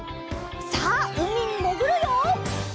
さあうみにもぐるよ！